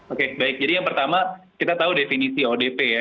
oke baik jadi yang pertama kita tahu definisi odp ya